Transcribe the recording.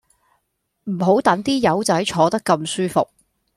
唔好等啲友仔坐得咁舒服